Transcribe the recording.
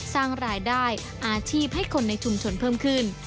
สร้างรายได้อาชีพให้คนในชุมชนเพิ่มขึ้น